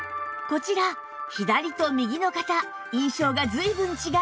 こちら左と右の方印象が随分違いますが